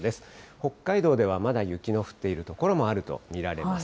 北海道ではまだ雪の降っている所もあると見られます。